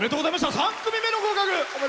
３組目の合格！